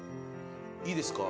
いいですか？